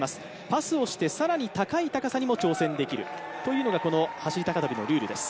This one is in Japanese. パスをして更に高い高さにも挑戦できるというのが走高跳のルールです。